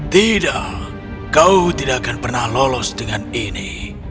tidak kau tidak akan pernah lolos dengan ini